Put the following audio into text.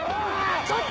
ちょっと！